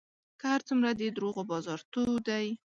که هر څومره د دروغو بازار تود دی